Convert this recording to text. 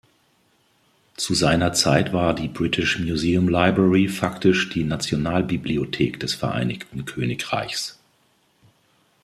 Zu seiner Zeit war die British Museum Library faktisch die Nationalbibliothek des Vereinigten Königreichs.